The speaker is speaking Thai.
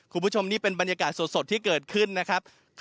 คุณผู้ชมนี่เป็นบรรยากาศสดที่เกิดขึ้นนะครับ